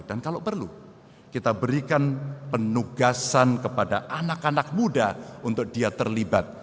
dan kalau perlu kita berikan penugasan kepada anak anak muda untuk dia terlibat